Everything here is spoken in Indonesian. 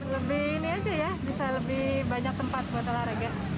lebih ini aja ya bisa lebih banyak tempat buat olahraga